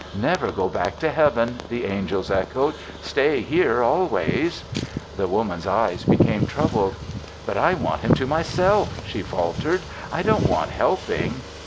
"Never go back to Heaven," the angels echoed; "stay here always." The Woman's eyes became troubled. "But I want him to myself," she faltered. "I don't want helping."